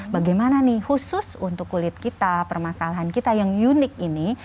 bagaimana nih khusus untuk kulit kita permasalahan kita yang unik ini